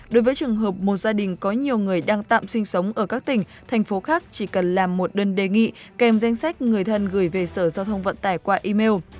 đối với trường hợp một gia đình có nhiều người đang tạm sinh sống ở các tỉnh thành phố khác chỉ cần làm một đơn đề nghị kèm danh sách người thân gửi về sở giao thông vận tải qua email